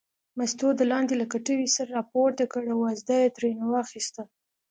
مستو د لاندې له کټوې سر راپورته کړ او وازده یې ترېنه واخیسته.